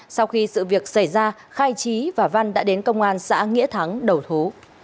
sau khi sự việc xảy ra khai trí và văn đã đến công an xã nghĩa thắng đầu thú